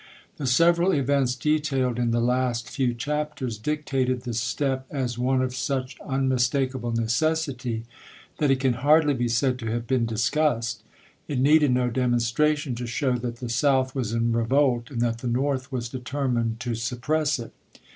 The several events detailed in the last few chapters dictated the step as one of such unmistakable necessity that it can hardly be said to have been discussed. It needed no demonstra tion to show that the South was in revolt, and that the North was determined to suppress it.